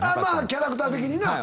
キャラクター的にな。